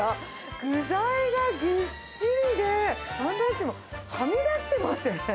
具材がぎっしりで、サンドイッチもはみ出してません？